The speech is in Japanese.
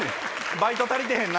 バイト足りてへんな！